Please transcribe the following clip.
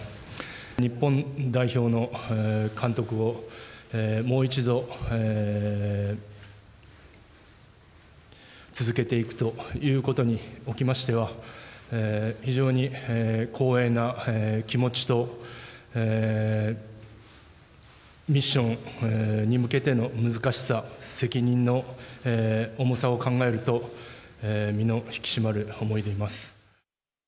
日本代表の監督を、もう一度続けていくということにおきましては、非常に光栄な気持ちと、ミッションに向けての難しさ、責任の重さを考えると、身の引き締まる思いでいます。